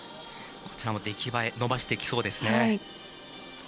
こちらも出来栄え伸ばしてきそうですね。